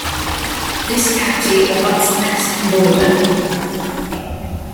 This county abuts the Mexican border.